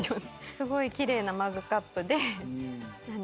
すごい奇麗なマグカップで。